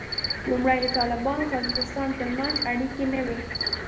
لومړی د طالبانو او تاجکستان تر منځ اړیکې نه وې